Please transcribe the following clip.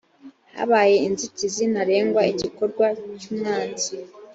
habaye inzitizi ntarengwa igikorwa cy umwanzi